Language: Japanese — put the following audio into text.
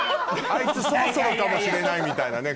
あいつそろそろかもしれないみたいなね。